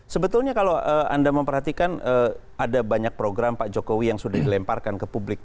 sebetulnya kalau anda memperhatikan ada banyak program pak jokowi yang sudah dilemparkan ke publik